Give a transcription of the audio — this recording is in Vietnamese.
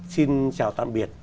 xin chào tạm biệt